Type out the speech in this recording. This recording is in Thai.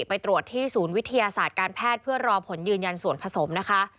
ไปตรวจที่ศูนย์วิทยาศาสตร์การแพทย์เพื่อรอผลยืนยันส่วนผสมนะคะ